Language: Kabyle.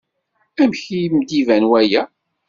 Amek i m-d-iban waya?